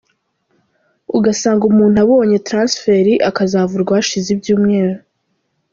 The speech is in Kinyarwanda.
Ugasanga umuntu abonye Transfert, akazavurwa hashize ibyumweru.